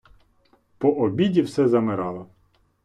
По обіді все замирало.